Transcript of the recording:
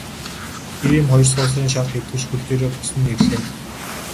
Эр эм хоёр суусрын шарх эдгэрч хөл дээрээ босон ирлээ.